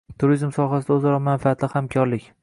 Turizm sohasida o‘zaro manfaatli hamkorlik